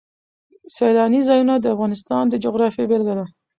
سیلانی ځایونه د افغانستان د جغرافیې بېلګه ده.